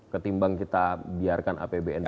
ketimbang kita biarkan apbnp